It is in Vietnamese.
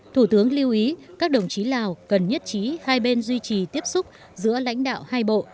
thủ tướng lưu ý các đồng chí lào cần nhất trí hai bên duy trì tiếp xúc giữa lãnh đạo hai bộ